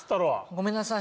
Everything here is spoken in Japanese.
ごめんなさい。